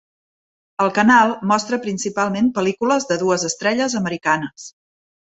El canal mostra principalment pel·lícules de dues estrelles americanes.